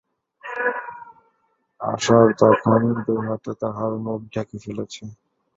আশার তখন দুহাতে তার মুখ ঢেকে ফেলেছে।